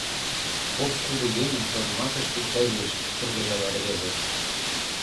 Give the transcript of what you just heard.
— Кок кугу еҥын шонымашышт икгай лиеш, — шыргыжале рвезе.